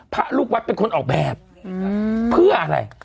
พระลูกวัดเป็นคนออกแบบเพื่ออะไร